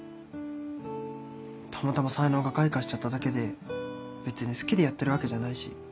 たまたま才能が開花しちゃっただけで別に好きでやってるわけじゃないし。